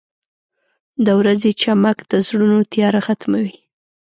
• د ورځې چمک د زړونو تیاره ختموي.